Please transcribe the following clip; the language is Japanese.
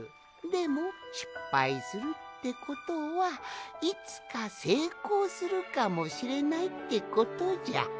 でもしっぱいするってことはいつかせいこうするかもしれないってことじゃ。